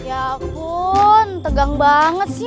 ya ampun tegang banget sih